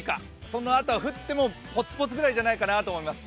そのあとは降ってもポツポツくらいじゃないかと思います。